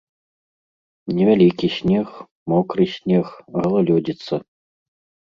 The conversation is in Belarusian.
Невялікі снег, мокры снег, галалёдзіца.